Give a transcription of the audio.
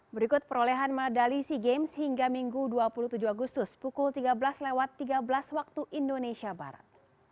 berikut perolehan medali sea games hingga minggu dua puluh tujuh agustus pukul tiga belas tiga belas waktu indonesia barat